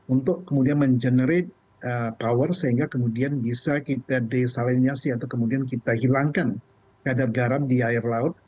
untuk kemudian mengenerate power sehingga kemudian bisa kita desalinasi atau kemudian kita hilangkan kadar garam di air laut